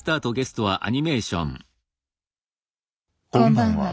こんばんは。